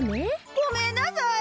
ごめんなさい！